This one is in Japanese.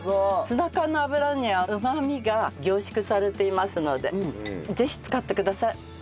ツナ缶の油にはうまみが凝縮されていますのでぜひ使ってください。